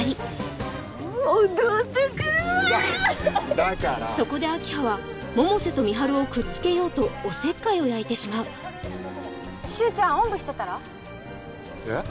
だだからそこで明葉は百瀬と美晴をくっつけようとおせっかいを焼いてしまう柊ちゃんおんぶしてったら？えっ？